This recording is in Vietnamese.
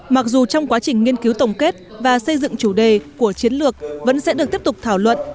mặc dù trong quá trình nghiên cứu tổng kết và xây dựng chủ đề của chiến lược vẫn sẽ được tiếp tục thảo luận